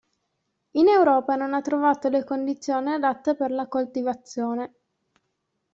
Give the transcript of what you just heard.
In Europa non ha trovato le condizioni adatte per la coltivazione.